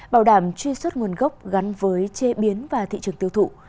bảo đảm truy xuất nguồn gốc gắn với chế biến và thị trường tiêu thụ